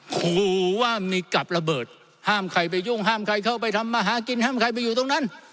ขู่ว่ามีกับระเบิดห้ามใครไปยุ่งห้ามใครเข้าไปทำมาหากินห้ามใครไปอยู่ตรงนั้น